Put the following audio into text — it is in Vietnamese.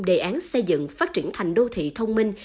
đề án xây dựng phát triển thành đô thị thông minh